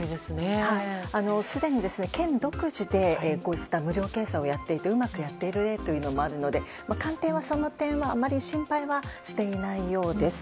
すでに県独自でこうした無料検査をうまくやっている例もあるので官邸は、その点はあまり心配はしていないようです。